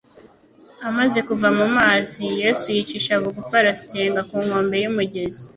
Amaze kuva mu mazi, Yesu yicisha bugufi arasenga ari ku nkombe y'umugezi.